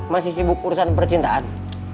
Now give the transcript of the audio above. masih sibuk urusan percintaan